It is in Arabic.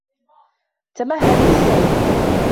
تَمَهَّلْ فِي السَّيْرِ.